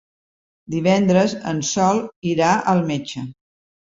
Divendres en Sol irà al metge.